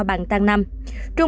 bến tre sáu